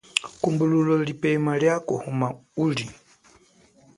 Kumbululo lipema lia kuhuma uli.